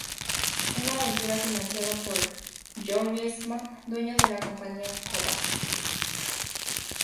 Un aventura financiada por George Eastman dueño de la compañía Kodak.